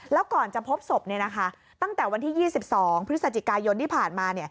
แล้วก่อนจะพบศพตั้งแต่วันที่๒๒พฤศจิกายนที่ผ่านมา